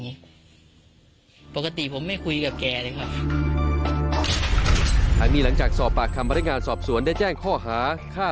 มีที่มองเป็นปราบมีส่งปริปราบสิ่งอะไร